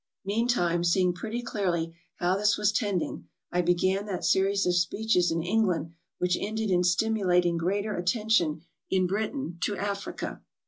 Meantime seeing pretty clearly how this was tending, I began that series of speeches in England which ended in stimulating greater attention in Britain to Africa.